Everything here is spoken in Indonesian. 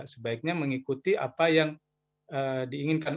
sebaiknya mengikuti apa yang diinginkan